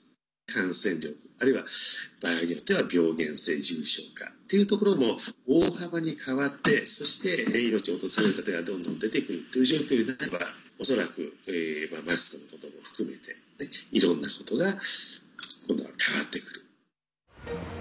感染力、あるいは場合によっては病原性、重症化っていうところも大幅に変わってそして、命を落とされる方がどんどん出てくるという状況になれば恐らくマスクのことも含めていろんなことが今度は変わってくる。